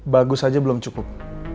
bagus aja belum cukup